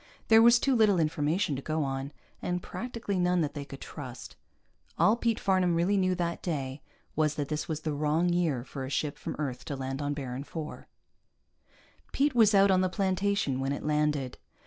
There was too little information to go on, and practically none that they could trust. All Pete Farnam really knew, that day, was that this was the wrong year for a ship from Earth to land on Baron IV. Pete was out on the plantation when it landed.